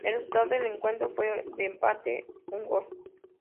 El resultado del encuentro fue de empate a un gol.